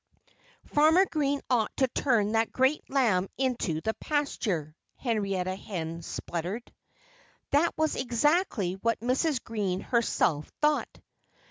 "Farmer Green ought to turn that great lamb into the pasture," Henrietta Hen spluttered. That was exactly what Mrs. Green herself thought.